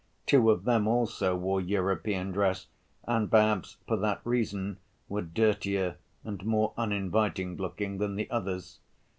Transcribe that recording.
Two of them also wore European dress, and, perhaps for that reason, were dirtier and more uninviting‐looking than the others.